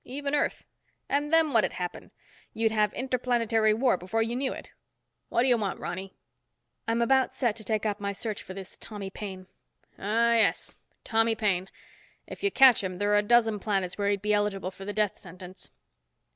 Even Earth. And then what'd happen? You'd have interplanetary war before you knew it. What'd you want, Ronny?" "I'm about set to take up my search for this Tommy Paine." "Ah, yes, Tommy Paine. If you catch him, there are a dozen planets where he'd be eligible for the death sentence."